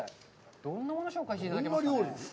どんなもの紹介していただけますか？